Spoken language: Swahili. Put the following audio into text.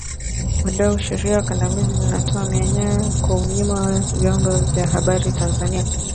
Wadau Sheria kandamizi zatoa mianya kuminywa vyombo vya habari Tanzania